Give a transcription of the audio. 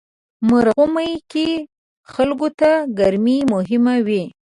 مرغومی کې خلکو ته ګرمي مهمه وي.